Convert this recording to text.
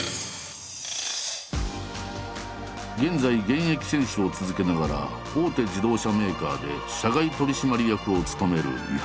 現在現役選手を続けながら大手自動車メーカーで社外取締役を務める井原。